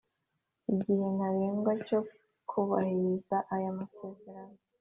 Igihe ntarengwa cyo kubahiriza aya masezeno